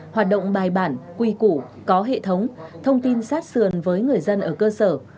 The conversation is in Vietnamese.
hoạt động bài bản quy củ có hệ thống thông tin sát sườn với người dân ở cơ sở